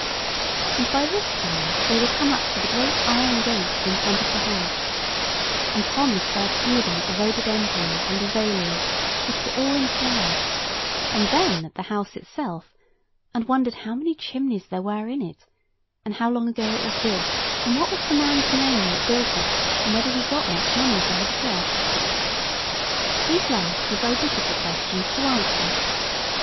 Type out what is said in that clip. And by this time they were come up to the great iron gates in front of the house; and Tom stared through them at the rhododendrons and azaleas, which were all in flower; and then at the house itself, and wondered how many chimneys there were in it, and how long ago it was built, and what was the man's name that built it, and whether he got much money for his job? These last were very difficult questions to answer.